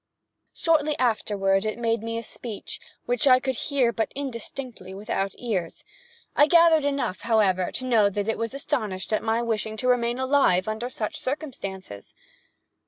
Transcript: Shortly afterward it made me a speech, which I could hear but indistinctly without ears. I gathered enough, however, to know that it was astonished at my wishing to remain alive under such circumstances.